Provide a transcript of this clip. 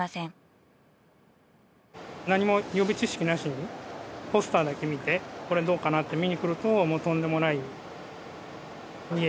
何も予備知識なしにポスターだけ見てこれどうかなって見に来るととんでもないいい映画があったりとか。